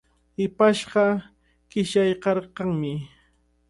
Hipashqa qishyaykarqanmi.